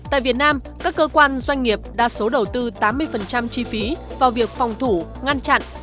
tại việt nam các cơ quan doanh nghiệp đa số đầu tư tám mươi chi phí vào việc phòng thủ ngăn chặn